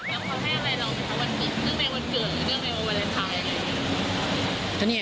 เรื่องแม่วันเกิดเรื่องแม่วันเวลาไทยอะไรอย่างเงี้ย